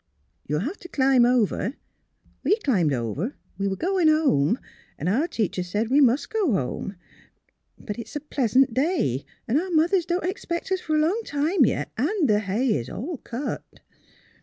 " You'll have to climb over. We climbed over. We were going home. Our teacher said we must go home. But it is a plea'sant day. Our moth ers don't expect us for a long time yet, and the hay is all cut.